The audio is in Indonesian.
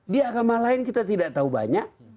di agama lain kita tidak tahu banyak